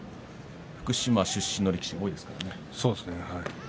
福島出身の力士多いですからね。